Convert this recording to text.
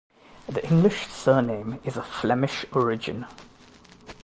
The English surname is of Flemish origin.